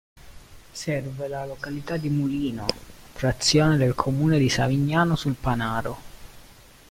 Serve la località di Mulino, frazione del comune di Savignano sul Panaro.